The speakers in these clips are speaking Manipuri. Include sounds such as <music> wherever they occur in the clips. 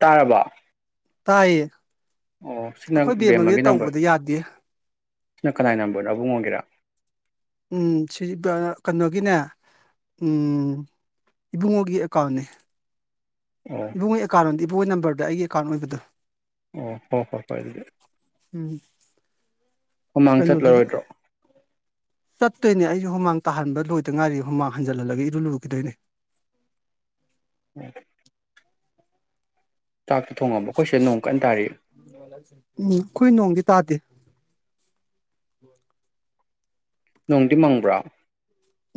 ꯇꯥꯔꯕ ꯇꯥꯏꯌꯦ ꯑꯣ ꯑꯣ ꯁꯤꯅ ꯑꯩꯈꯣꯏ ꯕꯦꯝꯃꯒꯤꯗꯤ ꯕꯦꯝꯃꯒꯤ ꯅꯝꯕꯔ ꯇꯧꯕꯗ ꯌꯥꯗꯦ ꯁꯤꯅ ꯀꯅꯥꯏ ꯅꯝꯕꯔꯅꯣ ꯑꯕꯨꯡꯉꯣ ꯒꯤꯔꯥ ꯎꯝ ꯁꯤꯗꯤ ꯄꯨꯔꯥ ꯀꯅꯣꯒꯤꯅꯦ ꯏꯕꯨꯡꯉꯣꯒꯤ ꯑꯦꯀꯥꯎꯟꯅꯦ ꯑꯣ ꯏꯕꯨꯡꯉꯣ ꯑꯦꯀꯥꯎꯟꯗꯤ ꯏꯕꯨꯡꯉꯣ ꯅꯝꯕꯔ ꯑꯩꯒꯤ ꯑꯦꯀꯥꯎꯟ ꯑꯣꯏꯕꯗꯣ ꯑꯣ ꯍꯣ ꯍꯣꯏ ꯍꯣꯏ ꯑꯗꯨꯗꯤ ꯎꯝ ꯍꯨꯃꯥꯡ ꯀꯩꯅꯣꯗꯨꯗꯤ ꯆꯠꯂꯔꯣꯏꯗ꯭ꯔꯣ ꯆꯠꯇꯣꯏꯅꯦ ꯑꯩꯁꯨ ꯍꯨꯃꯥꯡ ꯇꯥꯍꯟꯕ ꯂꯣꯏꯗ ꯉꯥꯏꯔꯤ ꯍꯨꯃꯥꯡ ꯍꯟꯖꯜꯍꯜꯂꯒ ꯏꯔꯨ ꯂꯨꯈꯤꯗꯣꯏꯅꯦ <inaudible> ꯆꯥꯛꯇꯤ ꯊꯣꯡꯉꯥꯕꯣ ꯑꯩꯈꯣꯏ ꯁꯤꯗ ꯅꯣꯡ ꯀꯟꯅ ꯇꯥꯔꯤ ꯎꯝ ꯑꯩꯈꯣꯏ ꯅꯣꯡꯗꯤ ꯇꯥꯗꯦ ꯅꯣꯡꯗꯤ ꯃꯪꯕ꯭ꯔ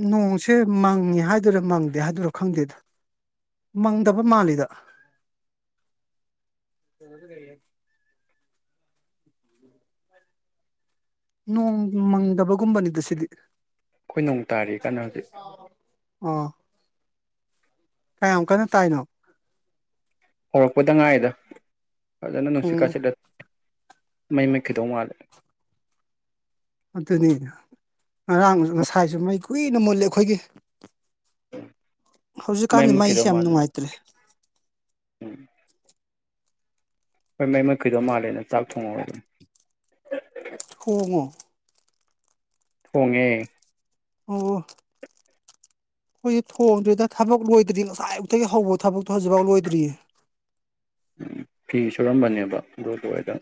ꯅꯣꯡꯁꯦ ꯃꯪꯉꯦ ꯍꯥꯏꯗꯣꯏꯔꯥ ꯃꯪꯗꯦ ꯍꯥꯏꯗꯔꯣ ꯈꯪꯗꯦꯗ ꯃꯪꯗꯕ ꯃꯥꯜꯂꯤꯗ ꯅꯣꯡ ꯃꯪꯗꯒꯨꯝꯕꯅꯤꯗ ꯁꯤꯗꯤ ꯑꯩꯈꯣꯏ ꯅꯣꯡ ꯇꯥꯔꯤ ꯀꯟꯅ ꯍꯧꯖꯤꯛ <inaudible> ꯑꯥ ꯀꯌꯥꯝ ꯀꯟꯅ ꯇꯥꯏꯅꯣ ꯍꯧꯔꯛꯄꯗ ꯉꯥꯏꯔꯤꯗ ꯐꯖꯅ ꯅꯨꯡꯁꯤꯠ ꯎꯝ ꯀꯁꯤꯠꯂꯦ ꯃꯩ ꯃꯨꯠꯈꯤꯗꯧ ꯃꯥꯜꯂꯦ ꯑꯗꯨꯅꯤ ꯉꯔꯥꯡ ꯉꯁꯥꯏꯁꯨ ꯃꯩ ꯀꯨꯏꯅ ꯃꯨꯂꯦ ꯑꯩꯈꯣꯏꯒꯤ ꯎꯝ ꯍꯧꯖꯤꯛꯀꯥꯟꯗꯤ ꯃꯩꯁꯦ ꯌꯥꯝ ꯅꯨꯡꯉꯥꯏꯇ꯭ꯔꯦ ꯍꯣꯏ ꯃꯩ ꯃꯨꯠꯈꯤꯗꯧ ꯃꯥꯜꯂꯦꯅ ꯆꯥꯛ ꯊꯣꯡꯍꯧꯔꯕꯅꯦ ꯊꯣꯡꯉꯣ ꯊꯣꯡꯉꯦ ꯑꯣꯑꯣ ꯑꯩꯈꯣꯏꯁꯦ ꯊꯣꯡꯗ꯭ꯔꯤꯗ ꯊꯕꯛ ꯂꯣꯏꯗ꯭ꯔꯤ ꯉꯁꯥꯏ ꯑꯌꯨꯛꯇꯒꯤ ꯍꯧꯕ ꯊꯕꯛꯇꯣ ꯍꯧꯖꯤꯛꯐꯥꯎ ꯂꯣꯏꯗ꯭ꯔꯤꯌꯦ ꯐꯤ ꯁꯨꯔꯝꯕꯅꯦꯕ ꯑꯗꯨꯑꯣꯢꯔꯗꯝ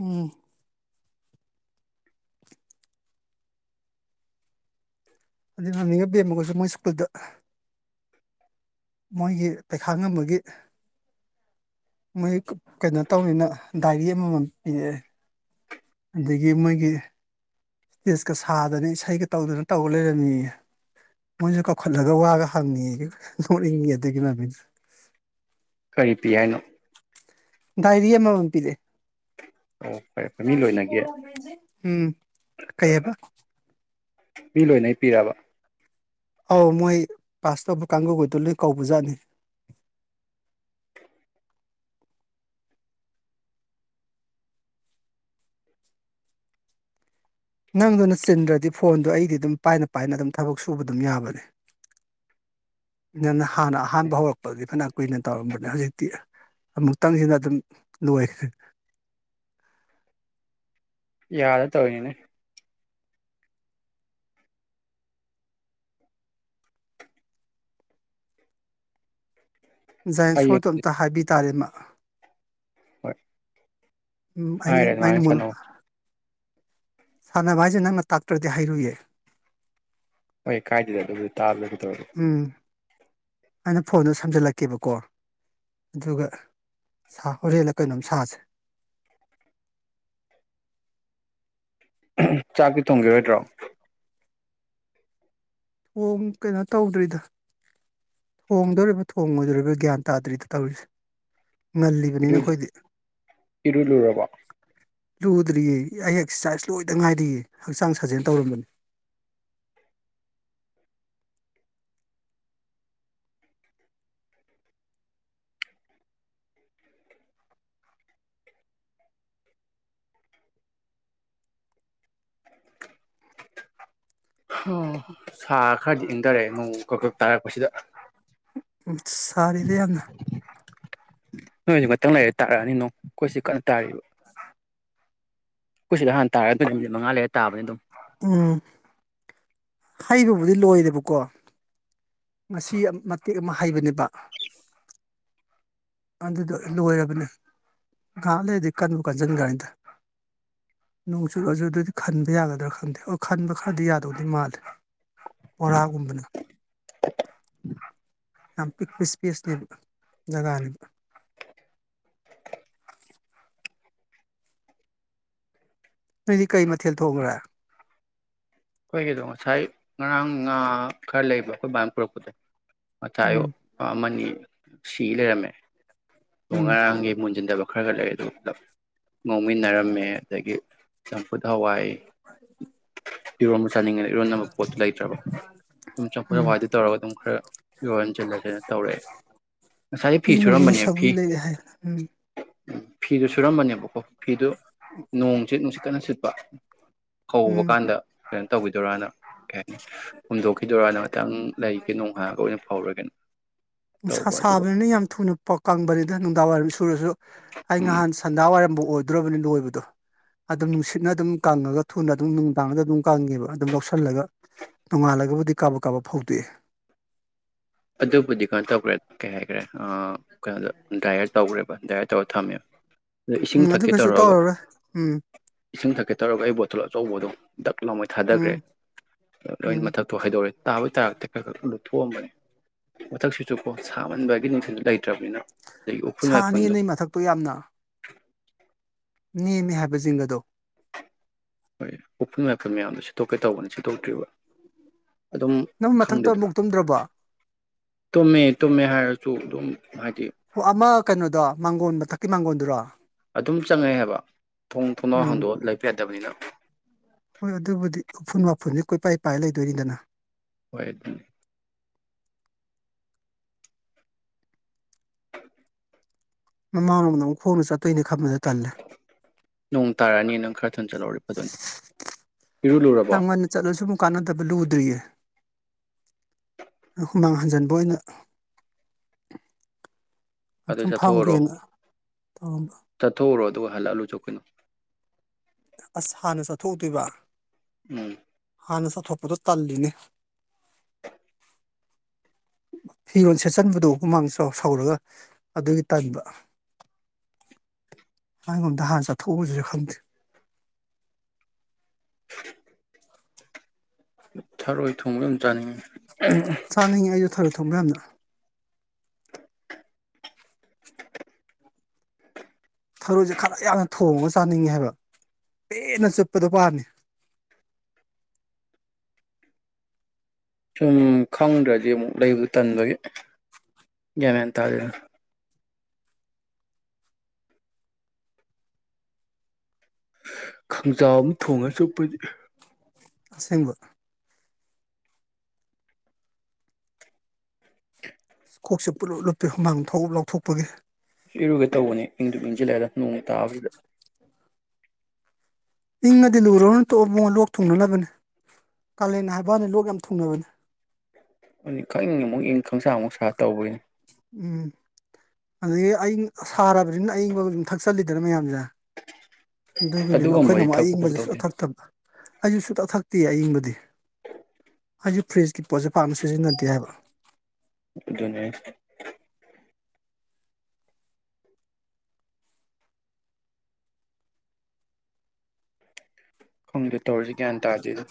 ꯎꯝ ꯑꯗꯨꯒ ꯅꯦ ꯕꯦꯝꯃꯍꯣꯏꯁꯨ ꯃꯣꯏ ꯁ꯭ꯀꯨꯜꯗ ꯃꯣꯏꯒꯤ ꯄꯩꯈꯥ ꯉꯝꯕꯒꯤ ꯃꯣꯏ ꯀꯩꯅꯣ ꯇꯧꯅꯤꯅ ꯗꯥꯏꯔꯤ ꯑꯃꯃꯝ ꯄꯤꯔꯑꯦ ꯑꯗꯒꯤ ꯃꯣꯏꯒꯤ ꯀꯩꯅꯣ ꯇꯧꯅꯤꯅ ꯗꯥꯢꯔꯤ ꯑꯃꯝꯃꯝ ꯄꯤꯔꯛꯑꯦ ꯑꯗꯒꯤ ꯏ꯭ꯁꯇꯦꯁ ꯀꯁꯥꯗꯅ ꯏꯁꯩꯒꯥ ꯇꯧꯗꯅ ꯇꯧ ꯂꯩꯔꯝꯃꯤ ꯃꯣꯏꯁꯨ ꯀꯧꯈꯠꯂꯒ ꯋꯥꯒ ꯍꯪꯉꯦꯌꯦ ꯅꯣꯛꯅꯤꯡꯉꯦ ꯑꯗꯨꯒꯤ ꯃꯃꯤꯡ ꯀꯔꯤ ꯄꯤ ꯍꯥꯏꯅꯣ ꯗꯥꯏꯔꯤ ꯑꯃ ꯃꯝ ꯄꯤꯔꯛꯑꯦ ꯑꯣ ꯐꯔꯦ ꯐꯔꯦ ꯃꯤ ꯗꯥꯢꯔꯤ ꯂꯣꯏꯅꯒꯦ ꯀꯣꯂꯣꯝ ꯄꯦꯟꯁꯤꯟ ꯎꯝ ꯀꯩꯑꯕ ꯃꯤ ꯂꯣꯏꯅ ꯄꯤꯔꯕ ꯑꯧ ꯃꯣꯏ ꯄꯥꯁ ꯇꯧꯕ ꯀꯥꯡꯕꯨ ꯉꯩ ꯗꯣ ꯂꯣꯏ ꯀꯧꯕꯖꯥꯠꯅꯤ ꯅꯪꯗꯨꯅ ꯆꯤꯟꯗ꯭ꯔꯗꯤ ꯐꯣꯟꯗꯣ ꯑꯩꯗꯤ ꯑꯗꯨꯝ ꯄꯥꯏꯅ ꯄꯥꯏꯅ ꯑꯗꯨꯝ ꯊꯕꯛ ꯁꯨꯕ ꯑꯗꯨꯝ ꯌꯥꯕꯅꯤ ꯅꯪꯅ ꯍꯥꯟꯅ ꯑꯍꯥꯟꯕ ꯍꯧꯔꯛꯄꯗꯗꯤ ꯐꯅ ꯀꯨꯏꯅ ꯇꯧꯔꯝꯕꯅꯦ ꯍꯧꯖꯤꯛꯇꯤ ꯑꯃꯨꯛꯇꯪꯁꯤꯅ ꯑꯗꯨꯝ ꯂꯣꯏꯈ꯭ꯔꯦ ꯌꯥꯗ ꯇꯧꯔꯤꯅꯤꯅꯦ ꯍꯌꯦꯡ ꯖꯥꯟꯅꯦꯁꯣꯔꯗꯣ ꯑꯝꯇ ꯍꯥꯏꯕꯤ ꯇꯥꯔꯦ ꯃꯥ ꯍꯣꯏ ꯎꯝ ꯍꯥꯏꯔꯦ ꯍꯌꯦꯡ ꯃꯥꯏꯅ ꯑꯗꯨꯃꯥꯏꯅ ꯃꯨꯟ ꯁꯥꯟꯅꯧ ꯁꯥꯟꯅꯕ ꯍꯥꯏꯁꯦ ꯅꯪꯅ ꯇꯥꯛꯇ꯭ꯔꯗꯤ ꯍꯩꯏꯔꯣꯢꯌꯦ ꯍꯣꯏ ꯀꯥꯏꯗꯗ ꯑꯗꯨꯕꯨ ꯇꯥꯛꯑ ꯂꯣꯢꯔꯦ ꯀꯩꯗꯧꯔꯒꯦ ꯎꯝ ꯑꯩꯅ ꯐꯣꯟꯗꯣ ꯁꯝꯖꯜꯒꯦꯕꯀꯣ ꯑꯗꯨꯒ ꯁꯥ ꯍꯣꯔꯦꯜꯂ ꯀꯩꯅꯣꯝ ꯁꯥꯁꯦ ꯆꯥꯛꯇꯤ ꯊꯣꯡꯒꯤ ꯔꯣꯢꯗꯔꯣ ꯇꯣꯡ ꯀꯩꯅꯣ ꯇꯧꯗ꯭ꯔꯤꯗ ꯊꯣꯡꯗꯣꯔꯤꯕ ꯊꯣꯡꯉꯣꯏꯗꯣꯔꯤꯕ ꯒ꯭ꯌꯥꯟ ꯇꯥꯗ꯭ꯔꯤꯗ ꯇꯧꯔꯤꯁꯦ ꯉꯜꯂꯤꯕꯅꯤꯅ ꯏꯔꯨꯗꯤ ꯑꯩꯈꯣꯏꯗꯤ ꯏꯔꯨꯂꯨꯔꯕꯣ ꯂꯨꯗ꯭ꯔꯤꯌꯦ ꯑꯩ ꯑꯦꯛꯁꯔꯁꯥꯏꯖ ꯂꯣꯏꯗ ꯉꯥꯏꯔꯤꯌꯦ ꯍꯛꯆꯥꯡ ꯁꯥꯖꯦꯜ ꯇꯧꯔꯝꯕꯅꯦ ꯑꯣ ꯁꯥ ꯈꯔꯗꯤ ꯏꯪꯗꯔꯦ ꯅꯣꯡ ꯀꯛ ꯀꯛ ꯇꯥꯔꯛꯄꯁꯤꯗ ꯎꯝ ꯁꯔꯤꯗ ꯌꯥꯝꯅ ꯅꯣꯏꯖꯣ ꯉꯥꯇꯪ ꯂꯩꯔꯦ ꯇꯥꯔꯛꯑꯅꯤ ꯅꯣꯡ ꯑꯩꯈꯣꯏꯁꯤ ꯀꯟꯅ ꯇꯥꯔꯤꯕ ꯈꯣꯢꯁꯤꯗ ꯍꯥꯟ ꯇꯥꯔꯗꯤ ꯃꯤꯅꯠ ꯃꯉꯥ ꯂꯩꯔ ꯇꯥꯕꯅꯦ ꯑꯗꯨꯝ ꯂꯣꯏ ꯂꯣꯏꯔꯦꯕꯀꯣ ꯉꯁꯤ ꯃꯇꯦꯛ ꯑꯃ ꯍꯥꯏꯕꯅꯦꯕ ꯑꯗꯨꯗꯣ ꯂꯣꯏꯔꯕꯅꯤ ꯉꯍꯥꯛ ꯂꯩꯔꯗꯤ ꯀꯟꯕꯨ ꯀꯟꯁꯤꯟꯈ꯭ꯔꯅꯤꯗ ꯅꯣꯡꯆꯨꯔꯁꯨ ꯑꯗꯨꯗꯤ ꯈꯟꯕ ꯌꯥꯒꯗ꯭ꯔꯥ ꯈꯪꯗꯦ ꯈꯟꯕ ꯈꯔꯗꯤ ꯌꯥꯗꯧꯗꯤ ꯃꯥꯜꯂꯦ ꯕꯣꯔꯥꯒꯨꯝꯕ ꯌꯥꯝ ꯄꯤꯛꯄ ꯢꯁꯄꯦꯁꯅꯦꯕ ꯖꯒꯥꯅꯤ ꯅꯣꯏꯗꯤ ꯀꯩ ꯃꯊꯦꯜ ꯊꯣꯡꯈ꯭ꯔꯦ ꯑꯩꯈꯣꯏ ꯒꯤꯗꯣ ꯉꯁꯥꯏ ꯉꯔꯥꯡ ꯉꯥ ꯈꯔ ꯂꯩꯕ ꯑꯩꯈꯣꯏ ꯕꯅꯥ ꯄꯨꯔꯛꯄꯗ ꯎꯝ ꯃꯆꯥꯌꯣꯛꯄ ꯑꯃ ꯅꯤ ꯁꯤꯂꯩꯔꯝꯃꯦ ꯇꯣ ꯎꯝ ꯉꯔꯥꯡꯒꯤ ꯃꯨꯟꯖꯟꯗꯕ ꯈꯔ ꯈꯔ ꯂꯩ ꯑꯗꯨ ꯄꯨꯂꯞ ꯉꯥꯎꯃꯤꯟꯅꯔꯝꯃꯦ ꯑꯗꯒꯤ ꯈꯨꯠ ꯊꯋꯥꯢ ꯏꯔꯣꯝꯕ ꯆꯠꯅꯤꯡꯉ ꯏꯔꯣꯟꯅꯕ ꯄꯣꯠꯇꯨ ꯂꯩꯇ꯭ꯔꯕ ꯑꯗꯨꯝ ꯆꯝꯐꯨꯠ ꯎꯝ ꯍꯋꯥꯢꯗꯨ ꯇꯧꯔꯒ ꯑꯗꯨꯝ ꯈꯔ ꯏꯔꯣꯜꯖꯤꯜꯂꯒꯦꯅ ꯇꯧꯔꯛꯑꯦ ꯉꯁꯥꯏꯒꯩ ꯐꯤ ꯑꯩꯈꯣꯏꯁꯨ ꯃꯃꯤꯅ ꯁꯨꯔꯝꯕꯅꯦ ꯐꯤ ꯁꯧꯒꯤ ꯂꯩꯔꯦ ꯍꯥꯏ ꯎꯝ ꯐꯤꯗꯨ ꯁꯨꯔꯝꯕꯅꯦꯕꯀꯣ ꯑꯣ ꯐꯤꯗꯣ ꯅꯣꯡꯁꯦ ꯅꯨꯡꯁꯤꯠ ꯀꯟꯅ ꯁꯤꯠꯄ ꯀꯧꯕ ꯎꯝ ꯀꯥꯟꯗ ꯔꯅ ꯀꯩ ꯍꯥꯏꯅꯤ ꯍꯨꯝꯗꯣꯛꯈꯤꯗꯣꯔꯥꯅ ꯈꯤꯇꯪ ꯂꯩꯒꯦ ꯅꯣꯡ ꯍꯥꯡꯉꯒ ꯑꯣꯏꯅ ꯐꯧꯔꯒꯦꯅ ꯅꯨꯡꯁꯥ ꯇꯧꯕ ꯑꯗꯨꯒ ꯁꯥꯕꯅꯤꯅ ꯌꯥꯝ ꯊꯨꯅ ꯀꯪꯕꯅꯤꯗ ꯅꯨꯡꯗꯥꯡ ꯋꯥꯏꯔꯝ ꯁꯨꯔꯁꯨ ꯑꯩ ꯎꯝ ꯅꯍꯥꯟ ꯁꯟꯗꯥ ꯋꯥꯏꯔꯝꯕꯧ ꯑꯣꯏꯗ꯭ꯔꯣꯕꯅꯤ ꯂꯣꯏꯕꯗꯣ ꯑꯗꯨꯝ ꯅꯨꯡꯁꯤꯠꯅ ꯑꯗꯨꯝ ꯀꯪꯉꯒ ꯊꯨꯅ ꯑꯗꯨꯝ ꯅꯨꯡꯗꯥꯡꯗ ꯑꯗꯨꯝ ꯀꯪꯉꯦꯕ ꯑꯗꯨꯝ ꯂꯧꯁꯜꯂ ꯁꯜꯂꯒ ꯅꯣꯡꯉꯥꯜꯂꯒꯕꯨꯗꯤ ꯀꯥꯕꯛ ꯀꯥꯕꯛ ꯐꯧꯗꯣꯛꯑꯦ ꯑꯗꯨꯕꯨꯗꯤ ꯀꯩꯅꯣ ꯇꯧꯒ꯭ꯔꯦ ꯀꯩ ꯍꯥꯏ ꯔꯦ ꯀꯩꯅꯣꯗ ꯗꯥꯏꯌꯔ ꯇꯧꯈ꯭ꯔꯦꯕ ꯗꯥꯏꯌꯔ ꯇꯧꯔꯒ ꯊꯝꯃꯦꯕ ꯑꯗ ꯏꯁꯤꯡ ꯎꯝ ꯑꯗꯨ ꯊꯛꯀꯦ ꯀꯩꯁꯨ ꯇꯧꯔꯒ ꯇꯧꯔꯔꯣꯏ ꯎꯝ ꯏꯁꯤꯡ ꯊꯛꯀꯦ ꯇꯧꯔꯒ ꯑꯩ ꯕꯣꯠ ꯇꯜ ꯑꯆꯧꯕꯗꯣ ꯗꯛ ꯂꯥꯎꯃꯩ ꯊꯥꯗꯒ꯭ꯔꯦ ꯎꯝ ꯂꯣꯏ ꯎꯝ ꯃꯊꯛꯇꯨ ꯍꯥꯏꯗꯣꯔꯛꯑꯦ ꯇꯥꯕꯨꯗꯤ ꯇꯥꯔꯛꯇꯦ ꯈꯔ ꯈꯔ ꯂꯨꯞꯊꯣꯛꯑꯝꯕꯅꯦ ꯃꯊꯛꯁꯤꯁꯨ ꯀꯣ ꯁꯥꯃꯟꯕꯒꯤ ꯅꯨꯡꯁꯤꯠꯁꯨ ꯂꯩꯇ꯭ꯔꯕꯅꯤꯅ ꯑꯗꯒꯤ ꯎꯐꯨꯜ ꯁꯥꯅꯤꯌꯦ ꯋꯥꯏꯐꯨꯜꯗꯣ ꯅꯣꯢ ꯃꯊꯛꯇꯣ ꯌꯥꯝꯅ ꯅꯦꯝꯃꯤ ꯍꯥꯏꯕ ꯖꯤꯡꯒꯗꯣ ꯍꯣꯏ ꯎꯐꯨꯜ ꯋꯥꯢꯐꯨꯜ ꯃꯌꯥꯝꯗꯣ ꯁꯤꯠꯇꯣꯛꯀꯦ ꯇꯧꯕꯅꯤ ꯁꯤꯠꯇꯣꯛꯇ꯭ꯔꯤꯕ ꯑꯗꯨꯝ ꯅꯪ ꯃꯊꯛꯇ ꯈꯪꯗꯦꯗ ꯑꯃꯨꯛ ꯇꯨꯝꯗ꯭ꯔꯕꯣ ꯇꯨꯝꯃꯦ ꯇꯨꯝꯃꯦ ꯍꯥꯏꯔꯁꯨ ꯑꯗꯨꯝ ꯍꯥꯏꯗꯤ ꯍꯣ ꯑꯃ ꯀꯩꯅꯣꯗꯣ ꯃꯥꯡꯒꯣꯟ ꯃꯊꯛ ꯀꯤ ꯃꯥꯡꯒꯣꯟꯗꯨꯔꯣ ꯑꯗꯨꯝ ꯆꯪꯉꯦ ꯍꯥꯏꯕ ꯊꯣꯡ ꯊꯣꯡꯅꯥꯎ ꯎꯝ ꯍꯥꯡꯗꯣꯛꯑ ꯂꯩꯕ ꯌꯥꯗꯕꯅꯤꯅ ꯍꯣꯏ ꯑꯗꯨꯕꯨꯗꯤ ꯎꯐꯨꯟ ꯋꯥꯢꯐꯨꯟꯗꯤ ꯀꯣꯏꯄꯥꯏ ꯄꯥꯏ ꯂꯩꯗꯣꯏꯅꯤꯗꯅ <unintelligible> ꯃꯃꯥꯡ ꯂꯣꯝꯗ ꯑꯃꯨꯛ ꯈꯣꯡꯅ ꯆꯠ ꯇꯩꯢꯅꯤ ꯈꯟꯕꯗ ꯇꯜꯂꯦ ꯆꯟ ꯆꯜꯍꯧꯔꯗꯤ ꯐꯗꯧꯅꯤ ꯏꯔꯨꯂꯨꯔꯕꯣ ꯐꯠꯇꯕ ꯂꯨꯗ꯭ꯔꯤꯌꯦ ꯍꯨꯃꯥꯡ ꯍꯟꯖꯟꯕ ꯑꯣꯏꯅ ꯑꯗꯨ ꯉꯥꯛꯇꯪ ꯆꯠꯊꯣꯛꯎꯔꯣ ꯐꯥꯝꯒꯦꯅ ꯇꯧꯔꯝꯕ ꯆꯠꯊꯣꯛꯎꯔꯣ ꯑꯗꯨꯒ ꯍꯜꯂꯛ ꯑꯒ ꯂꯨꯖꯧ ꯀꯩꯅꯣ ꯑꯁ ꯍꯥꯟꯅ ꯆꯠꯊꯣꯛꯎꯗꯣꯏꯕ ꯎꯝ ꯍꯥꯟꯅ ꯆꯥꯊꯣꯛꯄꯗꯣ ꯇꯜꯂꯤꯅꯦ ꯐꯤꯔꯣꯟ ꯁꯦꯠꯆꯟꯕꯗꯣ ꯍꯨꯃꯥꯡ ꯁꯧꯔꯒ ꯑꯗꯨꯒꯤ ꯇꯟꯕ ꯍꯥꯢꯒꯨꯝꯗ ꯍꯥꯟ ꯆꯠꯊꯣꯛꯎꯖꯤꯔꯥ ꯈꯪꯗꯦ <unintelligible> ꯊꯔꯣꯏ ꯊꯣꯡꯕꯗꯨꯝ ꯆꯥꯅꯤꯡꯉꯤ <inaudible> ꯊꯣꯡꯒꯥꯟꯗ ꯊꯔꯣꯏꯖꯦ ꯈꯔ ꯌꯥꯝꯅ ꯊꯣꯡꯉꯒ ꯆꯥꯅꯤꯡꯉꯦ ꯍꯥꯏꯕ ꯄꯦꯟꯅ ꯆꯨꯠꯄꯗꯣ ꯄꯥꯝꯃꯤ ꯁꯨꯝ ꯈꯪꯗ꯭ꯔꯗꯤ ꯑꯃꯨꯛ ꯂꯩꯕꯗꯨ ꯇꯟꯕꯒꯤ ꯒ꯭ꯌꯥꯟ ꯃꯦꯟ ꯇꯥꯗꯦꯅ ꯈꯪꯖꯥꯎ ꯑꯃ ꯊꯣꯡꯉꯒ ꯆꯨꯞꯄꯗꯤ ꯑꯁꯦꯡꯕ ꯀꯣꯛꯁꯦ ꯄꯨꯂꯨꯞ ꯂꯨꯞꯄꯦ ꯍꯨꯃꯥꯡ ꯊꯣꯛ ꯂꯧꯊꯣꯛꯄꯒꯤ ꯏꯔꯨꯒꯦ ꯇꯧꯕꯅꯦ ꯏꯪꯖꯨ ꯏꯪꯁꯜꯂꯛꯑꯦꯗ ꯅꯣꯡ ꯇꯥꯕꯁꯤꯗ ꯏꯪꯉꯗꯤ ꯂꯨꯨꯔꯨꯅꯨ ꯇꯣꯛꯑꯣ ꯃꯣ ꯂꯣꯛ ꯊꯨꯡꯅꯕꯅꯤ ꯀꯥꯂꯦꯟꯅꯦ ꯍꯥꯏꯕꯩ ꯋꯥꯅꯤ ꯂꯣꯛ ꯌꯥꯝ ꯊꯨꯡꯅꯕꯅꯤ ꯑꯗꯨ ꯈꯪꯪ ꯏꯪ ꯃꯨꯛ ꯏꯪ ꯈꯪꯁꯥ ꯑꯃꯨꯛ ꯁꯥ ꯇꯧꯕꯩꯅꯦ ꯎꯝ ꯑꯗꯒꯤ ꯑꯌꯤꯡ ꯁꯥꯔꯕꯅꯤꯅ ꯑꯌꯤꯡꯕ ꯑꯗꯨꯝ ꯊꯛꯆꯜꯂꯤꯗꯅ ꯃꯌꯥꯝꯖꯦ ꯑꯗꯨꯒꯤꯅꯦꯕ ꯑꯩꯈꯣꯏꯅ ꯑꯗꯨꯒꯨꯝꯕꯗꯤ ꯊꯛꯄ ꯈꯣꯠꯄ ꯑꯏꯪꯕꯁꯦ ꯇꯧꯗꯦ ꯁꯨꯡꯊꯛ ꯊꯛꯇꯝ ꯑꯩꯁꯨꯨ ꯁꯨꯊꯛ ꯊꯛꯇꯦ ꯑꯏꯪꯕꯗꯤ ꯑꯩꯖꯦ ꯐꯔꯤꯖꯀꯤ ꯄꯣꯠꯁꯦ ꯄꯥꯝ ꯁꯤꯖꯤꯟꯅꯗꯦ ꯍꯥꯏꯕ ꯑꯗꯨꯅꯦ ꯈꯪꯗꯦ ꯇꯧꯔꯤꯁꯤ ꯒ꯭ꯌꯥꯟ ꯇꯥꯗꯦꯗ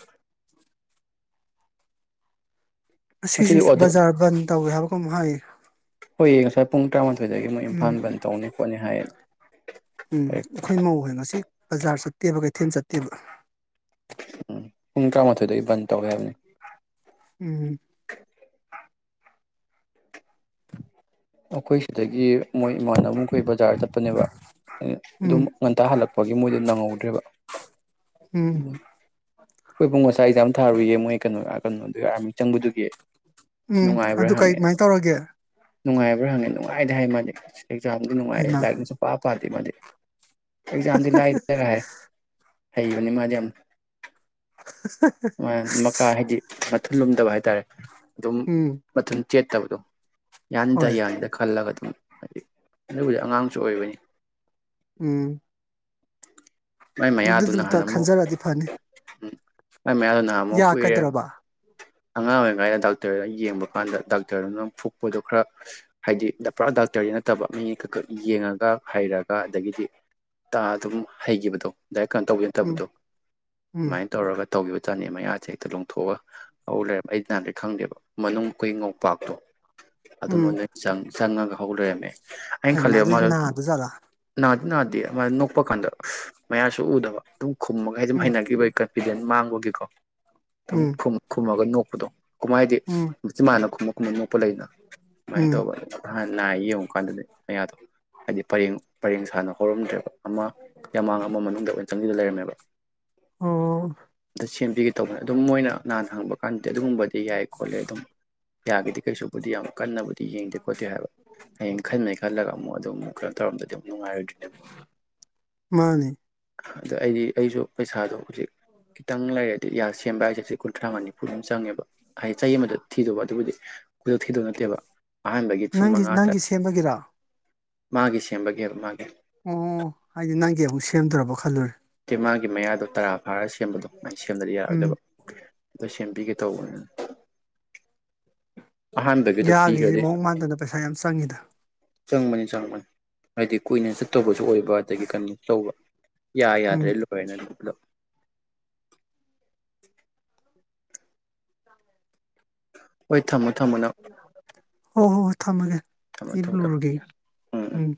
ꯉꯁꯤ ꯉꯁꯤꯁꯨ ꯑꯣꯗ ꯕꯖꯥꯔ ꯕꯟ ꯇꯧꯋꯦ ꯍꯥꯏꯕ ꯀꯩꯅꯣꯝ ꯍꯥꯏꯌꯦ ꯍꯣꯏꯌꯦ ꯉꯁꯥꯏ ꯄꯨꯡ ꯇꯔꯥꯃꯥꯊꯣꯏꯗꯒꯤ ꯃꯣꯏ ꯏꯝꯐꯥꯜ ꯎꯝ ꯕꯟ ꯇꯧꯅꯤ ꯈꯣꯠꯅꯤ ꯍꯥꯏꯌꯦ ꯎꯝ ꯑꯩꯈꯣꯏ ꯃꯧ ꯍꯣꯏ ꯉꯁꯤ ꯕꯖꯥꯔ ꯆꯠꯇꯦꯕ ꯀꯩꯊꯦꯜ ꯆꯠꯇꯦꯕ ꯎꯝ ꯄꯨꯨꯡ ꯇ꯭ꯔꯥꯃꯊꯣꯏꯗꯒꯤ ꯕꯟ ꯇꯧꯋꯦ ꯍꯥꯢꯕꯅꯦ ꯎꯝ ꯑꯈꯣꯏ ꯁꯤ ꯑꯗꯒꯤ ꯃꯣꯏ ꯏꯃꯥꯟꯅꯕꯈꯣꯏ ꯕꯖꯥꯔ ꯆꯠꯄꯅꯦꯕ ꯎꯝ ꯑꯗꯨꯝ ꯉꯟꯇꯥ ꯍꯜꯂꯛꯄꯒꯤ ꯃꯣꯏꯗꯣ ꯅꯪꯍꯧꯗ꯭ꯔꯦꯕ ꯎꯝ ꯑꯩꯈꯣꯏ ꯄꯨꯡ ꯉꯁꯥꯏ ꯑꯦꯛꯖꯥꯝ ꯊꯥꯔꯨꯏꯌꯦ ꯃꯣꯏ ꯀꯩꯅꯣ ꯀꯩꯅꯣ ꯑꯗꯨꯒ ꯑꯥꯔꯃꯤ ꯆꯪꯕꯗꯨꯒꯤ ꯎꯝ ꯑꯗꯨ ꯀꯩꯃꯥꯏ ꯇꯧꯔꯒꯦ ꯅꯨꯡꯉꯥꯏꯕ꯭ꯔ ꯍꯪꯉꯦ ꯅꯨꯡꯉꯥꯏꯗ ꯍꯥꯏ ꯃꯥꯗꯤ ꯑꯦꯛꯖꯥꯝꯗꯤ ꯅꯨꯡꯉꯥꯏ ꯍꯩꯃ ꯂꯥꯏꯔꯤꯛꯅ ꯁꯨꯛꯄꯥ ꯄꯥꯗꯦ <unintelligible> ꯑꯦꯛꯖꯥꯝꯗꯤ ꯂꯥꯢꯗ ꯐꯥꯢ ꯍꯩꯕꯅꯤ ꯃꯥꯗꯤ ꯌꯥꯝꯅ ꯃꯀꯥ ꯍꯥꯏꯗꯤ ꯊꯜꯂꯨꯝꯗꯕ ꯍꯥꯏꯇꯥꯔꯦ ꯑꯗꯨꯝ ꯎꯝ ꯃꯥꯊꯟ ꯆꯦꯠ ꯇꯕꯗꯣ ꯌꯥꯅꯤꯗ ꯍꯣꯏ ꯌꯥꯅꯤꯗ ꯈꯜꯂꯒ ꯑꯗꯨꯝ ꯍꯥꯏꯗꯤ ꯑꯗꯨꯕꯨꯗꯤ ꯑꯉꯥꯡꯁꯨ ꯑꯣꯏꯔꯩꯅꯦ ꯎꯝ ꯃꯥꯏ ꯑꯗꯨ ꯃꯌꯥꯗꯨ ꯗꯨꯇ ꯅꯍꯥꯟ ꯈꯟꯖꯔꯛꯗꯤ ꯐꯅꯤ ꯃꯥꯢ ꯃꯌꯥꯗꯣ ꯅꯍꯥꯟ ꯃꯨꯛ ꯀꯨꯏꯔꯦ ꯌꯥꯔꯛꯀꯗ꯭ꯔꯕ ꯑꯉꯥꯡ ꯑꯣꯏꯔꯤꯉꯩꯗ ꯗꯥꯛꯇꯔꯅ ꯌꯦꯡꯕ ꯀꯥꯟꯗ ꯗꯥꯛꯇꯔꯗꯨꯅ ꯐꯨꯛꯄꯗꯣ ꯈꯔ ꯍꯥꯏꯗꯤ ꯄꯨꯔꯥ ꯗꯥꯛꯇꯔꯗꯤ ꯅꯠꯇꯕ ꯃꯤ ꯈꯛ ꯈꯛ ꯌꯦꯡꯉꯒ ꯍꯩꯔꯒ ꯑꯗꯒꯤꯗꯤ ꯇꯥ ꯑꯗꯨꯝ ꯍꯩꯒꯤꯕꯗꯣ ꯗꯥꯏꯔꯦꯛ ꯀꯩꯅꯣ ꯇꯧꯒꯦ ꯎꯝ ꯅꯠꯇꯕꯗꯣ ꯎꯝ ꯑꯗꯨꯃꯥꯏꯅ ꯇꯧꯔꯒ ꯇꯧꯒꯤꯕ ꯆꯥꯅꯦ ꯃꯌꯥꯁꯦ ꯍꯦꯛꯇ ꯂꯣꯡꯊꯣꯛꯑꯒ ꯍꯧ ꯂꯩꯔ ꯑꯩꯗꯤ ꯅꯍꯥꯈꯩ ꯈꯪꯗꯦꯕ ꯃꯅꯨꯡ ꯈꯣꯢ ꯉꯧꯄꯥꯛꯇꯣ ꯑꯗꯣ ꯅꯣꯏ ꯎꯝ ꯅꯣꯏ ꯆꯥꯡ ꯆꯪꯉꯒ ꯍꯧꯂꯩꯏꯔꯝꯃꯦ ꯑꯩꯅ ꯍꯩꯃ ꯈꯟꯂꯦ ꯑꯗꯨꯗꯤ ꯃꯗꯣ ꯅꯥꯗꯖꯥꯠꯂꯥ ꯅ ꯑꯗꯨ ꯅꯗꯦ ꯑꯃ ꯅꯣꯛꯄ ꯀꯥꯟꯗ ꯃꯌꯥꯁꯨ ꯎꯗꯕ ꯑꯗꯨꯝ ꯈꯨꯝꯃꯒꯩ ꯑꯗꯨꯝ ꯎꯝ ꯍꯩꯅꯅꯒꯤꯕ ꯑꯩ ꯐꯤꯗꯦꯠ ꯃꯥꯡ ꯕꯨꯗꯦꯀꯣ ꯑꯗꯨꯝ ꯎꯝ ꯈꯨꯝ ꯈꯨꯝꯃꯥꯒ ꯅꯣꯛ ꯄꯗꯣ ꯀꯨꯝ ꯍꯥꯏꯗꯤ ꯎꯝ ꯃꯆꯤꯟ ꯃꯥꯟꯗꯣ ꯈꯨꯝꯃ ꯈꯨꯝꯃ ꯉꯣꯛꯄ ꯂꯩꯗꯅ ꯑꯃꯥꯏꯅ ꯎꯝ ꯇꯧꯕ ꯅꯍꯥꯟ ꯅꯥꯏꯌꯦ ꯌꯦꯡꯉꯨꯀꯥꯟꯗꯗꯤ ꯃꯌꯥꯗꯣ ꯍꯥꯏꯗꯤ ꯄꯔꯦꯡ ꯄꯔꯦꯡ ꯁꯥꯥꯟꯅ ꯍꯧꯔꯝꯗ꯭ꯔꯦꯕ ꯑꯃ ꯌꯥꯝꯃꯥꯡ ꯑꯃ ꯃꯅꯨꯡꯗ ꯑꯣꯏꯅ ꯆꯪꯖꯤꯟꯂ ꯂꯩꯔꯝꯃꯦꯕ ꯑꯣ ꯑꯗ ꯁꯦꯝꯕꯤꯒꯦ ꯇꯧꯕꯅꯦ ꯑꯗꯨ ꯃꯣꯏꯅ ꯅꯍꯟ ꯍꯪꯕ ꯀꯥꯟꯗꯗꯤ ꯑꯗꯨꯒꯨꯝꯕꯗꯤ ꯌꯥꯏ ꯈꯣꯠꯂꯦ ꯑꯗꯨꯝ ꯌꯥꯒꯤꯗꯤ ꯀꯩꯁꯨꯕꯨꯗꯤ ꯌꯥꯝ ꯀꯟꯅꯕꯨꯗꯤ ꯌꯦꯡꯗꯦ ꯈꯣꯠꯇꯦ ꯍꯥꯏꯕ ꯍꯌꯦꯡ ꯈꯟꯉꯩ ꯈꯜꯂꯒ ꯑꯃꯨꯛ ꯑꯗꯨꯝꯛ ꯀꯩꯅꯣ ꯇꯧꯔꯝꯗꯗꯤ ꯑꯃꯨꯛ ꯅꯨꯡꯉꯥꯏꯔꯣꯏꯗ꯭ꯣꯏꯅꯦꯕ ꯃꯥꯅꯤ ꯑꯗꯩ ꯑꯩꯗꯤ ꯑꯩꯖꯨ ꯄꯩꯁꯥꯗꯣ ꯍꯧꯖꯤꯛ ꯈꯤꯇꯪ ꯂꯩꯔꯗꯤ ꯌꯥ ꯁꯦꯝꯕ ꯍꯥꯏꯁꯦ ꯆꯍꯤ ꯀꯨꯟꯊ꯭ꯔꯥ ꯅꯤꯐꯨꯗꯨꯝ ꯆꯪꯉꯦꯕ ꯍꯥꯏꯗꯤ ꯆꯍꯤ ꯑꯃꯗ ꯊꯤꯗꯧꯕ ꯑꯗꯨꯕꯨꯗꯤ ꯈꯨꯗꯛ ꯊꯤꯗꯧ ꯅꯠꯇꯦꯕ ꯑꯍꯥꯟꯕꯒꯤ ꯄꯨꯡ ꯅꯪꯒꯤ ꯃꯉꯥ ꯇ ꯅꯪꯒꯤ ꯁꯦꯝꯕꯒꯤꯔꯣ ꯃꯥꯒꯤ ꯁꯦꯝꯕꯒꯤ ꯍꯥꯢꯕ ꯃꯥꯒꯤ ꯑꯣ ꯍꯥꯏꯗꯤ ꯅꯪꯒꯤ ꯑꯃꯨꯛ ꯁꯦꯝꯗ꯭ꯔꯣꯕ ꯈꯜꯂꯨꯔꯦ ꯇꯦ ꯃꯥꯒꯤ ꯃꯌꯥꯗꯣ ꯇꯔꯥ ꯐꯥꯔ ꯁꯦꯝꯕꯗꯣ ꯑꯗꯨꯃꯥꯏꯅ ꯁꯦꯝꯗꯗꯤ ꯎꯝ ꯌꯥꯔꯣꯏꯗꯕ ꯑꯗꯨꯗ ꯁꯦꯝꯕꯤꯒꯦ ꯇꯧꯕꯅꯦ ꯌꯥꯒꯤꯁꯦ ꯄꯤꯈ꯭ꯔꯗꯤ ꯃꯑꯣꯡ ꯃꯥꯟꯗꯅ ꯄꯩꯁꯥ ꯌꯥꯝ ꯆꯪꯉꯤꯗ ꯆꯪꯕꯅꯤ ꯆꯪꯕꯅꯤ ꯍꯥꯏꯗꯤ ꯀꯨꯏꯅ ꯆꯠꯇꯧꯕꯁꯨ ꯑꯣꯏꯕ ꯑꯗꯒꯤ ꯀꯩꯅꯣ ꯇꯧꯕ ꯌꯥ ꯎꯝ ꯌꯥꯗ꯭ꯔꯦ ꯂꯣ ꯍꯥꯏꯅ ꯄꯨꯂꯞ ꯍꯣꯏ ꯊꯝꯃꯣ ꯊꯝꯃꯣ ꯅꯪ ꯍꯣ ꯍꯣ ꯍꯣꯏ ꯊꯝꯃꯒꯦ ꯊꯝꯃꯣ ꯊꯝꯃꯣ ꯊꯝꯃꯣ ꯏꯔꯨꯂꯨꯔꯨꯒꯦ ꯎꯝ